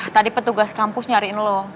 tadi petugas kampus nyariin dulu